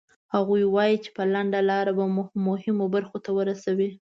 هغوی وایي چې په لنډه لاره به مو مهمو برخو ته ورسوي.